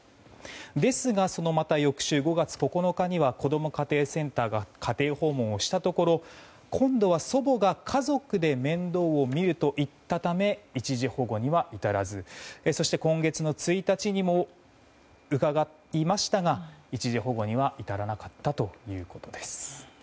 ですが、そのまた翌週５月９日にはこども家庭センターが家庭訪問をしたところ今度は、祖母が家族で面倒を見ると言ったため一時保護には至らずそして今月１日にも伺いましたが一時保護には至らなかったということです。